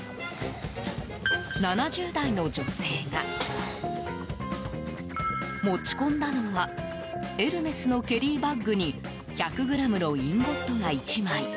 ７０代の女性が持ち込んだのはエルメスのケリーバッグに１００ｇのインゴットが１枚。